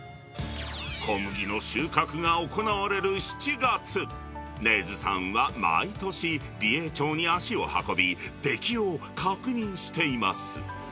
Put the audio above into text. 小麦の収穫が行われる７月、根津さんは毎年、美瑛町に足を運び、出来を確認しています。